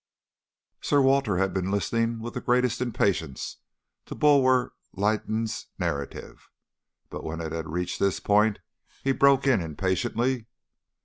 Sir Walter had been listening with the greatest impatience to Bulwer Lytton's narrative, but when it had reached this point he broke in impatiently.